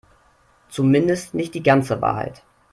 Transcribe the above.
Zumindest nicht die ganze Wahrheit.